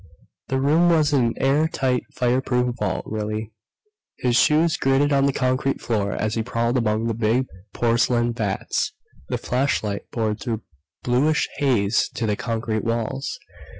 The room was an air tight, fire proof vault, really. His shoes gritted on the concrete floor as he prowled among the big porcelain vats. The flashlight bored through bluish haze to the concrete walls.